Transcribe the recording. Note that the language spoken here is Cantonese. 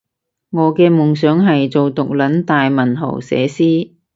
我嘅夢想係做毒撚大文豪寫詩